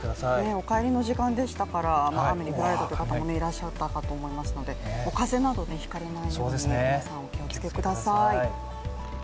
お帰りの時間でしたから雨の中帰られた方いらっしゃったかと思いますから風邪などひかれないようにお気をつけください